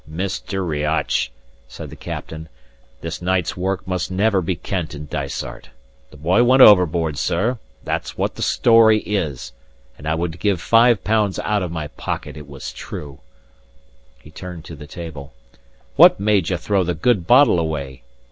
"Mr. Riach," said the captain, "this night's work must never be kennt in Dysart. The boy went overboard, sir; that's what the story is; and I would give five pounds out of my pocket it was true!" He turned to the table. "What made ye throw the good bottle away?"